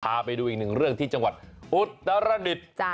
พาไปดูอีกหนึ่งเรื่องที่จังหวัดอุตรดิษฐ์